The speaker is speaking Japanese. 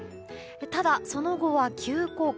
ただ、その後は急降下。